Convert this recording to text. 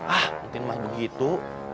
ah mungkin mah begitu